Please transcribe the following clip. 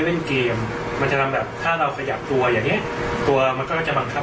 เล่นเกมมันจะทำแบบถ้าเราขยับตัวอย่างเงี้ยตัวมันก็จะบังคับ